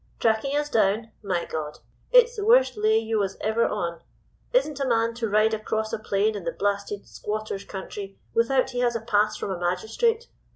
Tracking us down? My God! it's the worst lay you was ever on. Isn't a man to ride across a plain in the blasted squatters' country without he has a pass from a magistrate?